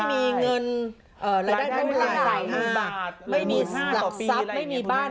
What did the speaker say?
ไม่มีเงินเอ่อรายได้รายรายบาทไม่มีหลักทรัพย์ไม่มีบ้าน